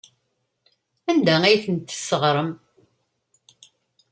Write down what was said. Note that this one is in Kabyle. Anda ay tent-tesseɣrem?